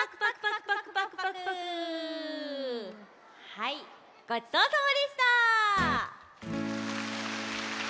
はいごちそうさまでした！